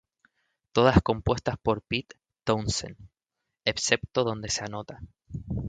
Todas compuestas por Pete Townshend excepto donde se anota.